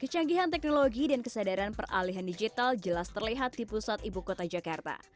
kecanggihan teknologi dan kesadaran peralihan digital jelas terlihat di pusat ibu kota jakarta